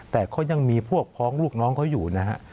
แต่เขายังมีพวกพ้องลูกน้องเขาอยู่นะฮะ